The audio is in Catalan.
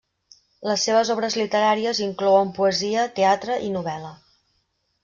Les seves obres literàries inclouen poesia, teatre i novel·la.